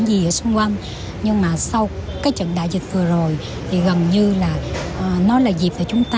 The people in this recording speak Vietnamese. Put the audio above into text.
gì ở xung quanh nhưng mà sau cái trận đại dịch vừa rồi thì gần như là nó là dịp để chúng ta